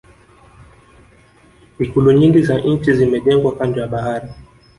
ikulu nyingi za nchi zimejengwa kando ya bahari